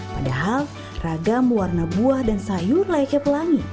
padahal ragam warna buah dan sayur layaknya pelangi